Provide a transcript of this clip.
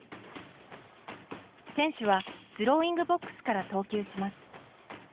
選手はスローイングボックスから投球します。